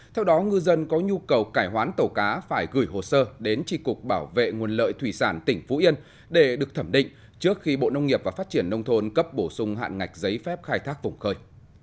theo đó ngư dân có nhu cầu cải hoán tàu cá phải gửi hồ sơ đến tri cục bảo vệ nguồn lợi thủy sản tỉnh phú yên để được thẩm định trước khi bộ nông nghiệp và phát triển nông thôn cấp bổ sung hạn ngạch giấy phép khai thác vùng khơi